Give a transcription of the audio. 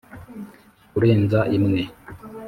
kurenza imwe